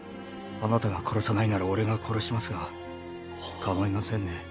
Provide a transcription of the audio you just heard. あなたが殺さないなら俺が殺しますがかまいませんね？